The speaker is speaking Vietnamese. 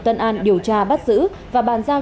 tân an điều tra bắt giữ và bàn giao